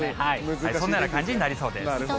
そんな感じになりそうです。